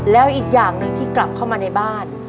แล้วอีกอย่างหนึ่งที่กลับเข้ามาในบ้าน